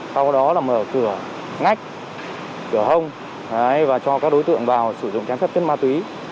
sau đó là mở cửa ngách cửa hông và cho các đối tượng vào sử dụng trái phép chất ma túy